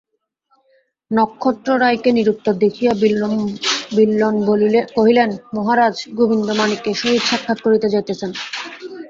নক্ষত্ররায়কে নিরুত্তর দেখিয়া বিল্বন কহিলেন, মহারাজ গোবিন্দমাণিক্যের সহিত সাক্ষাৎ করিতে যাইতেছেন।